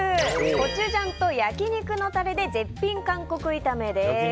コチュジャンと焼き肉のタレで絶品韓国炒めです。